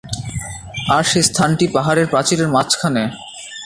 আর সে স্থানটি পাহাড়ের প্রাচীরের মাঝখানে।